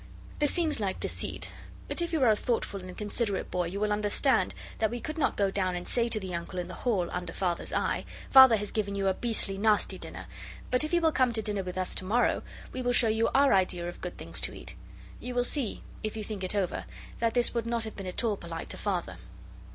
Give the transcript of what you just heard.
This seems like deceit, but if you are a thoughtful and considerate boy you will understand that we could not go down and say to the Uncle in the hall under Father's eye, 'Father has given you a beastly, nasty dinner, but if you will come to dinner with us tomorrow, we will show you our idea of good things to eat.' You will see, if you think it over, that this would not have been at all polite to Father.